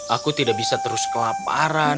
aku tidak bisa terus kelaparan